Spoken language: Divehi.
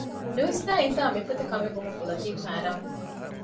ނުވިސްނައި އިންދާ މިފަދަ ކަމެއްވުމުން ލަތީފް ހައިރާންވި